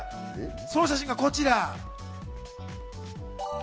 その写真がこちら！